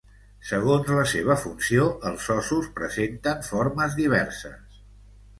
Segons la seva funció, els ossos presenten formes diverses.